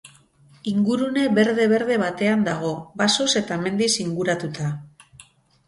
Ingurune berde-berde batean dago, basoz eta mendiz inguratuta.